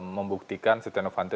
membuktikan stiano vanto